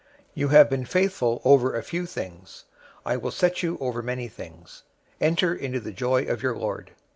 You have been faithful over a few things, I will set you over many things. Enter into the joy of your lord.'